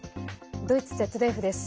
ドイツＺＤＦです。